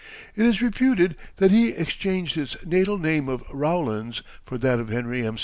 It is reputed that he exchanged his natal name of Rowlands for that of Henry M.